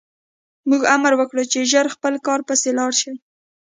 موږ امر وکړ چې ژر خپل کار پسې لاړ شي